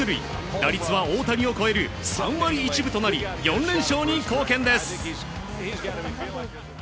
打率は大谷を超える３割１分となり４連勝に貢献です。